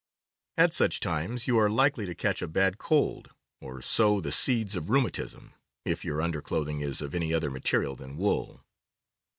At such times you are likely to catch a bad cold, or sow the seeds of rheumatism, if your underclothing is of any other material than wool.